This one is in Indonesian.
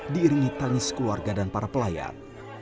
diiringi tangis keluarga dan para pelayan